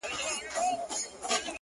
كه خپلوې مي نو در خپل مي كړه زړكيه زما;